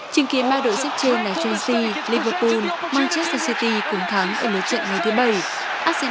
trình kiến ba đội xếp trên là chelsea liverpool manchester city cùng thắng ở lối trận ngày thứ bảy